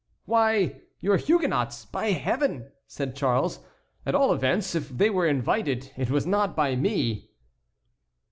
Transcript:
"Why, your Huguenots, by Heaven!" said Charles; "at all events if they were invited it was not by me."